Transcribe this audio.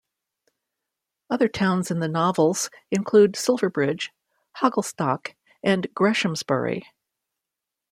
Other towns in the novels include Silverbridge, Hogglestock and Greshamsbury.